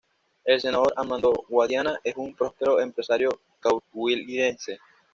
El senador Armando Guadiana es un próspero empresario Coahuilense.